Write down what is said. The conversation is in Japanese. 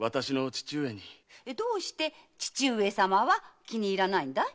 どうして父上様は気に入らないんだい？